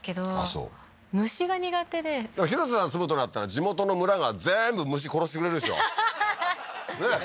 そう虫が苦手で広瀬さん住むとなったら地元の村が全部虫殺してくれるでしょははははっねえ